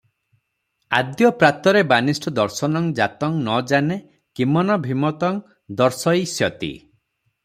'ଆଦ୍ୟ ପ୍ରାତରେବାନିଷ୍ଟ ଦର୍ଶନଂ ଜାତଂ ନ ଜାନେ କିମନଭିମତଂ ଦର୍ଶୟିଷ୍ୟତି ।'